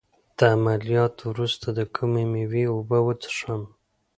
د عملیات وروسته د کومې میوې اوبه وڅښم؟